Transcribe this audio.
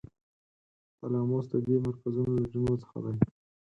تلاموس د دې مرکزونو له جملو څخه دی.